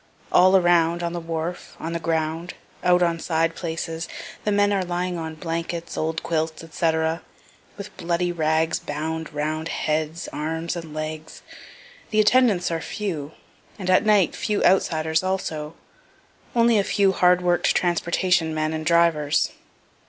All around on the wharf, on the ground, out on side places the men are lying on blankets, old quilts, &c., with bloody rags bound round heads, arms, and legs. The attendants are few, and at night few outsiders also only a few hard work'd transportation men and drivers.